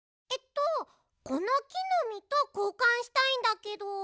えっとこのきのみとこうかんしたいんだけど。